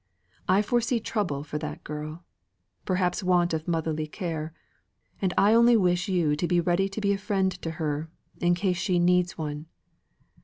I foresee trouble for that girl perhaps, want of motherly care and I only wish you to be ready to be a friend to her, in case she needs one.